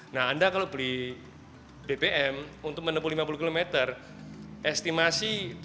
nah anda kalau beli bbm untuk menempuh lima puluh km estimasi rp tujuh belas delapan belas